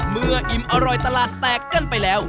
อิ่มอร่อยตลาดแตกกันไปแล้ว